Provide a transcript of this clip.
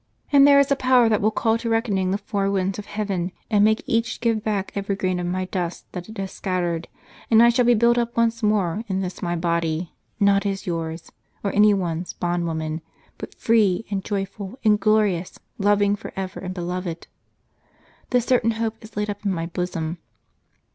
And there is a power that will call to reckoning the four winds of heaven, and make each give back every grain of my dust that it has scattered ; and I shall be built up once more in this my body, not as yours, or any one's, bondwoman, but free, and joyful, and glorious, loving for ever, and beloved. This certain hope is laid up in my bosom."